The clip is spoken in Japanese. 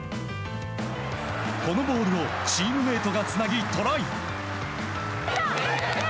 このボールをチームメートがつなぎトライ！